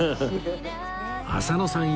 浅野さん